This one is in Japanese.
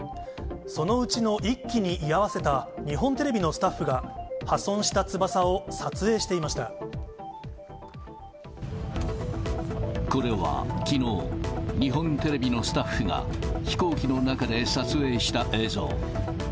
そのうちの１機に居合わせた日本テレビのスタッフが、これはきのう、日本テレビのスタッフが飛行機の中で撮影した映像。